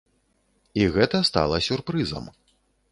І гэта стала сюрпрызам.